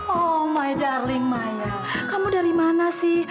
oh my darling maya kamu dari mana sih